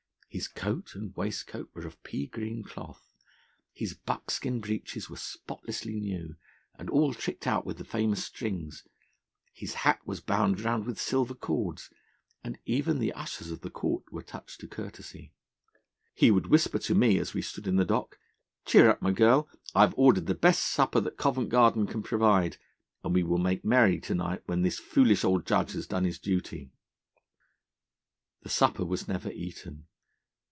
His coat and waistcoat were of pea green cloth; his buckskin breeches were spotlessly new, and all tricked out with the famous strings; his hat was bound round with silver cords; and even the ushers of the Court were touched to courtesy. He would whisper to me, as we stood in the dock, "Cheer up, my girl. I have ordered the best supper that Covent Garden can provide, and we will make merry to night when this foolish old judge has done his duty." The supper was never eaten.